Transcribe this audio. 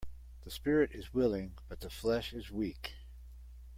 The spirit is willing but the flesh is weak.